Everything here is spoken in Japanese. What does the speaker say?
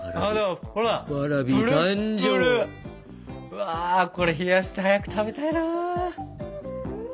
うわこれ冷やして早く食べたいな。